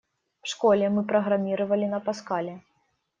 В школе мы программировали на Паскале.